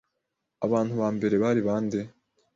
Abantu bambere bari bande?